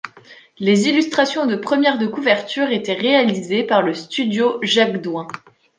Les illustrations de premières de couverture étaient réalisées par le Studio Jacques Douin.